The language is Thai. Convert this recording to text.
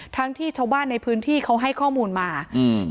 ทั้งที่ชาวบ้านในพื้นที่เขาให้ข้อมูลมาอืม